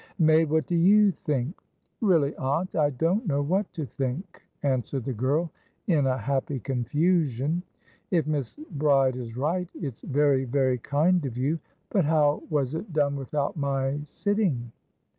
"May, what do you think?" "Really, aunt, I don't know what to think," answered the girl, in a happy confusion. "If Miss Bride is rightit's very, very kind of you. But how was it done without my sitting?"